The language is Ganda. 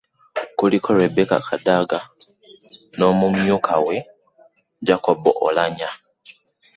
Kuliko Rebecca Kadaga n'omumyuka we Jacob Oulanyah.